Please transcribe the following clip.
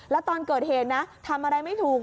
แล้วตอนเกิดเหตุนะทำอะไรไม่ถูก